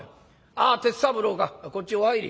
ああ鉄三郎かこっちお入り。